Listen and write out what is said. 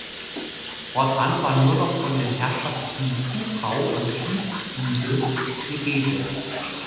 Fortan war nur noch von den Herrschaften Buchau und Gießhübel die Rede.